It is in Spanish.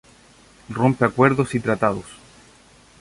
Rompe acuerdos y tratados.